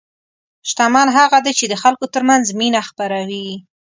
شتمن هغه دی چې د خلکو ترمنځ مینه خپروي.